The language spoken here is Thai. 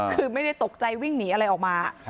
คือไม่ได้ตกใจวิ่งหนีอะไรออกมา